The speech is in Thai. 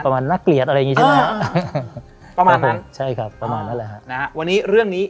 ประมาณนักเกลียดอะไรอย่างงี้ใช่ไหมครับประมาณนั้นใช่ครับประมาณนั้นแหละครับวันนี้เรื่องนี้